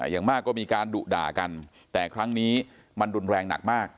อย่างมากก็มีการดุด่ากันแต่ครั้งนี้มันรุนแรงหนักมาก